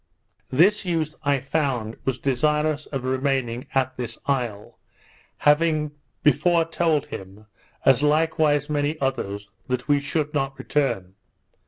This youth, I found, was desirous of remaining at this isle, having before told him, as likewise many others, that we should not return.